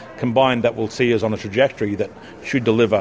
ditambahkan dengan hal yang akan menunjukkan kita pada jalan yang harus dilakukan